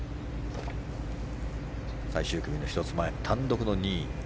最終組の１つ前、単独の２位。